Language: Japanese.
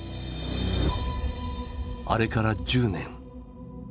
あれから１０年。